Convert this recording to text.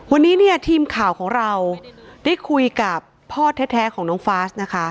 วันนี้เนี่ยทีมข่าวของเราได้คุยกับพ่อแท้ของน้องฟาสนะคะ